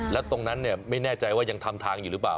แล้วตรงนั้นไม่แน่ใจว่ายังทำทางอยู่หรือเปล่า